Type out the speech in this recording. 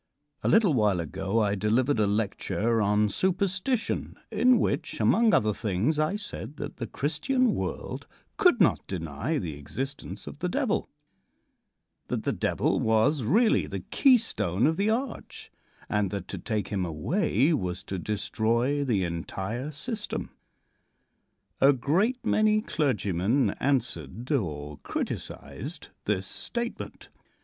A little while ago I delivered a lecture on "Superstition," in which, among other things, I said that the Christian world could not deny the existence of the Devil; that the Devil was really the keystone of the arch, and that to take him away was to destroy the entire system. A great many clergymen answered or criticised this statement.